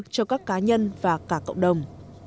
cho các cá nhân và cả cộng đồng